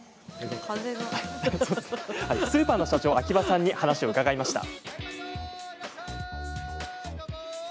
スーパーの社長秋葉さんに話を伺いました。